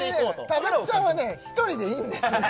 たぶっちゃんはね１人でいいんですよ